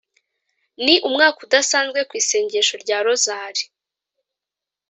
ni umwaka udasanzwe ku isengesho rya rozali